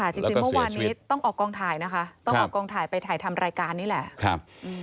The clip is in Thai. จริงเมื่อวันนี้ต้องออกกองถ่ายไปถ่ายทำรายการนี่แหละ